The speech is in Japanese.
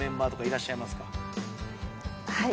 はい。